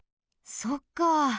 そっか。